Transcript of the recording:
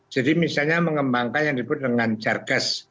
jadi misalnya mengembangkan yang disebut dengan jargas